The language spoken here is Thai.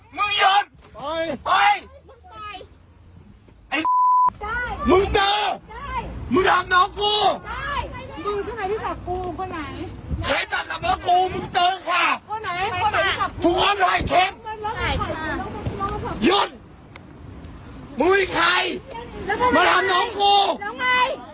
เฮ้ยไอ้มึงเจอมึงทำน้องกูมึงเจอค่ะยุดมึงมีใครมาทำน้องกู